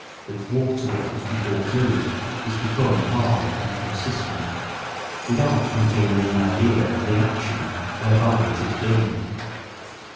that water that was before fluid is become hard and consistent, without containing any idea of the action whereby it is done.